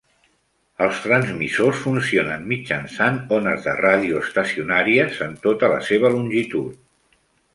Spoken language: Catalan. Els transmissors funcionen mitjançant ones de ràdio estacionàries en tota la seva longitud.